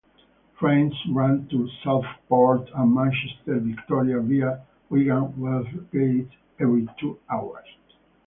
Trains run to Southport and Manchester Victoria via Wigan Wallgate every two hours.